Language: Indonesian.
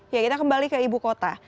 ya kita kembali ke ibu kota